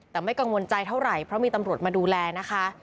แต่ไม่กังวลใจเท่าไหร่เพราะมีตำรวจมาดูแลนะคะ